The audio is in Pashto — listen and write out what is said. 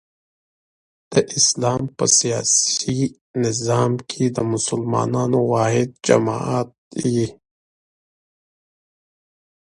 د اسلام په سیاسي نظام کښي د مسلمانانو واحد جماعت يي.